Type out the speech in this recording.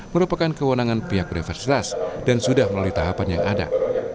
merupakan kewenangan pihak universitas dan sudah melalui tahapan yang ada